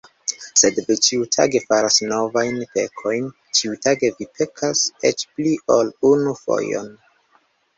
Sed vi ĉiutage faras novajn pekojn, ĉiutage vi pekas eĉ pli ol unu fojon!